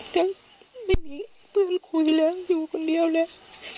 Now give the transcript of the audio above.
ทั้งไม่มีเพื่อนคุยแล้วอยู่คนเดียวเลย